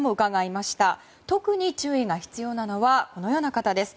特に注意が必要なのはこのような方です。